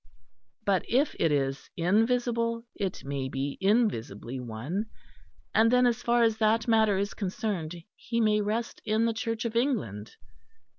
But if it is invisible, it may be invisibly one, and then as far as that matter is concerned, he may rest in the Church of England.